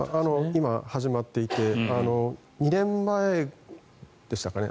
今、始まっていて２年前でしたかね